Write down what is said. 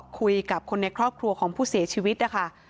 คุยกับคนในครอบครัวของผู้เสียชีวิตนะคะ